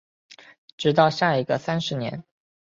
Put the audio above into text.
直到下一个三十年